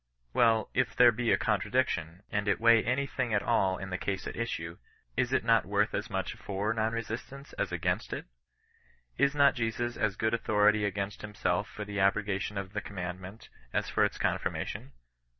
Well, if there be a contradiction, and it weigh anything at all in the case at issue, is it not worth as much /or non resistance as against it? Is not Jesus as good authority against himself for the abrogation of the commandment, as for its confirmation